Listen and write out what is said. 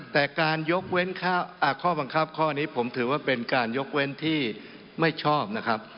แต่การยกเว้นข้อบังคับข้อนี้ผมถือว่าเป็นการยกเว้นที่ไม่ชอบนะครับ